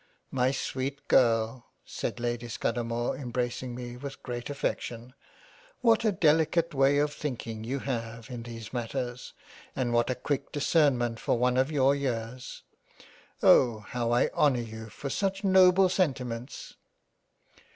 " My sweet Girl (said Lady Scudamore embracing me 3 121 £ JANE AUSTEN £ with great affection) what a delicate way of thinking you have in these matters, and what a quick discernment for one of your years ! Oh ! how I honour you for such Noble Senti ments